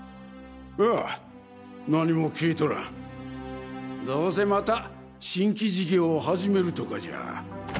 ああ何も聞いとらんどうせまた新規事業を始めるとかじゃ。